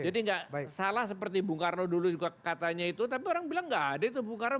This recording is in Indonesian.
jadi gak salah seperti bung karno dulu juga katanya itu tapi orang bilang gak ada itu bung karno